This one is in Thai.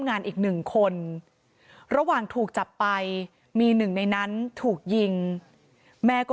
งานอีกหนึ่งคนระหว่างถูกจับไปมีหนึ่งในนั้นถูกยิงแม่ก็